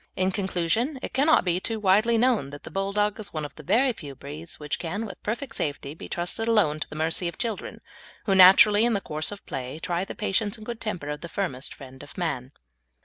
In conclusion, it cannot be too widely known that the Bulldog is one of the very few breeds which can, with perfect safety, be trusted alone to the mercy of children, who, naturally, in the course of play, try the patience and good temper of the firmest friend of man.